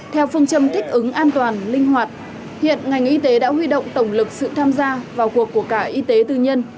theo phương châm thích ứng an toàn linh hoạt hiện ngành y tế đã huy động tổng lực sự tham gia vào cuộc của cả y tế tư nhân